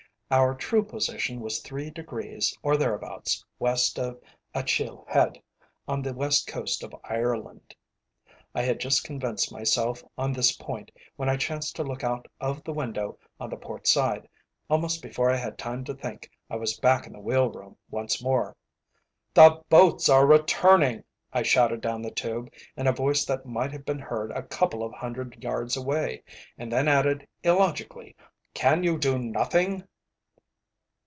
Our true position was three degrees, or thereabouts, west of Achil Head, on the west coast of Ireland. I had just convinced myself on this point, when I chanced to look out of the window on the port side. Almost before I had time to think, I was back in the wheel room once more. "The boats are returning," I shouted down the tube, in a voice that might have been heard a couple of hundred yards away, and then added illogically "can you do nothing?"